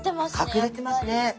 隠れてますね！